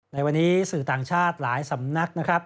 ในวันนี้สื่อต่างชาติหลายสำนักนะครับ